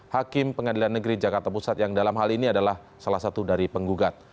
hakim pengadilan negeri jakarta pusat yang dalam hal ini adalah salah satu dari penggugat